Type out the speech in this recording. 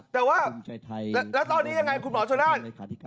แต่ว่าแล้วตอนนี้ยังไงคุณหมอชนนั่น